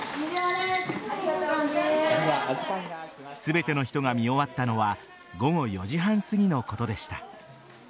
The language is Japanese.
全ての人が見終わったのは午後４時半すぎのことでした。